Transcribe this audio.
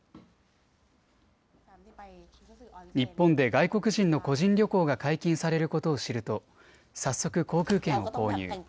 日本で外国人の個人旅行が解禁されることを知ると早速、航空券を購入。